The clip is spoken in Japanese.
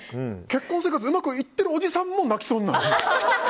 結婚生活うまくいってるおじさんも泣きそうになる。